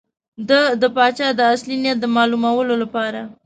ده د پاچا د اصلي نیت د معلومولو لپاره.